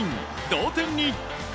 同点に。